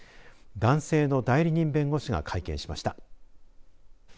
男性の代理人弁護士が会見しました。